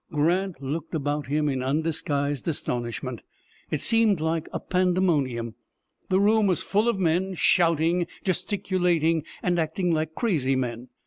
Grant looked about him in undisguised astonishment. It seemed like a pandemonium. The room was full of men, shouting, gesticulating and acting like crazy men.